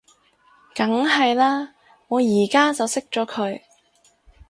梗係喇，我而家就熄咗佢